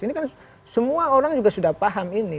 ini kan semua orang juga sudah paham ini